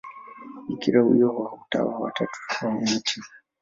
Bikira huyo wa Utawa wa Tatu wa Mt.